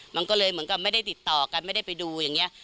มันก็เลยเหมือนกับไม่ได้ติดต่อกันไม่ได้ไปดูอย่างนี้